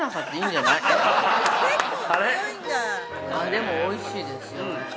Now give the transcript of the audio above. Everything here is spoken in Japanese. でも、おいしいですよね。